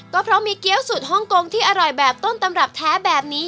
ก็เพราะมีเกี้ยวสุดฮ่องกงที่อร่อยแบบต้นตำรับแท้แบบนี้